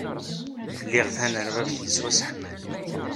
Liɣ tanerdabt yettwasseḥman.